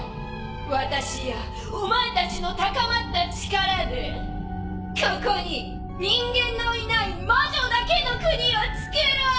私やお前たちの高まった力でここに人間のいない魔女だけの国をつくろう！